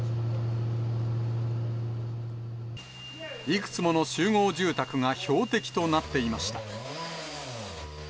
いくつもの集合住宅が標的となっていました。